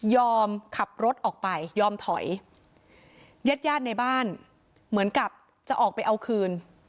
ขับรถออกไปยอมถอยญาติญาติในบ้านเหมือนกับจะออกไปเอาคืน